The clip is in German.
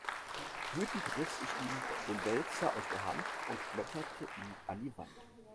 Wütend riss ich ihm den Wälzer aus der Hand und schmetterte ihn an die Wand.